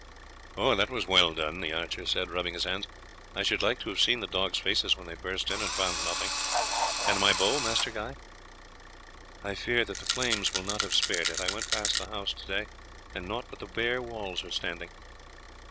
"That was well done," the archer said, rubbing his hands. "I should like to have seen the dogs' faces when they burst in and found nothing. And my bow, Master Guy?" "I fear that the flames will not have spared it. I went past the house to day, and naught but the bare walls are standing."